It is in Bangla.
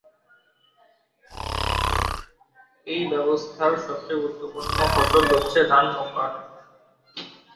এই ব্যবস্থার সবচেয়ে গুরত্বপূর্ণ জমির ফসল হচ্ছে ধান ও পাট।